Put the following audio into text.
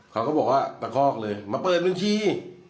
เขาก็บอกว่าตะคอกเลยมาเปิดบัญชี